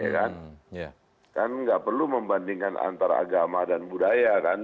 kan nggak perlu membandingkan antara agama dan budaya kan